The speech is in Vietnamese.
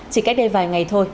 chỉ cách đây vài ngày thôi